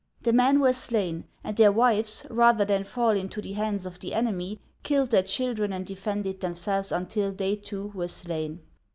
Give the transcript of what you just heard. The men were slain, and their wives, rather than fall into the hands of the enemy, killed their children and defended themselves until they, too, were slain.